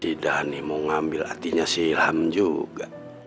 si dhani mau ngambil hatinya si ilham juga